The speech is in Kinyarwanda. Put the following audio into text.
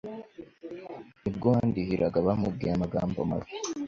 nibwo uwandihiraga bamubwiye amagambo mabi